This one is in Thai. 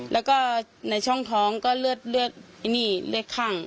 แล้วก็ในช่องท้องก็เลือดคลั่ง